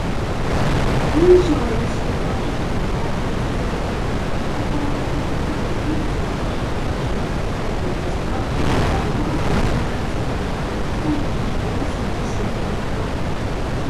文章や仕事を一気に完成させること。滞ることなく流暢に文章が書かれているさま。また、物事を中断せずに、ひと息に大急ぎで仕上げること。